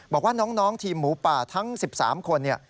บอกว่าน้องทีมหมูป่าทั้ง๑๓คน